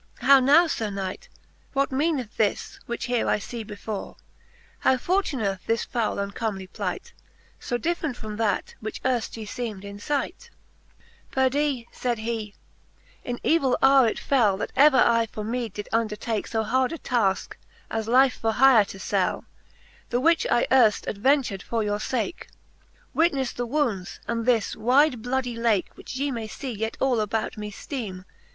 How nov/. Sir Knight ? What meaneth this, which here I fee before ? How fortuneth this foule uncomely plight So different from that, which earft ye feem'd in fight ? XV. Perdie, Canto VII. the Faerie §lueene. 305 XV. Perdie, faid he, in evill houre it fell, That ever I for meed did undertake So hard a tafke, as lyfe for hyre to fell ; The which I earft adventur'd for your fake. WitnefTe the wounds, and this wyde bloudie lake, Which ye may fee yet all about me fteeme.